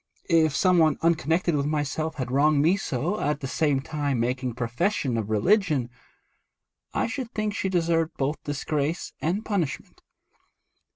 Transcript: If some one unconnected with myself had wronged me so, at the same time making profession of religion, I should think she deserved both disgrace and punishment.'